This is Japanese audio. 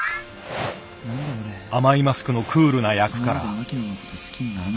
甘いマスクのクールな役から。